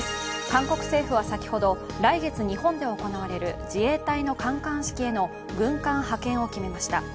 韓国政府は先ほど、来月日本で行われる自衛隊の観艦式への軍艦派遣を決めました。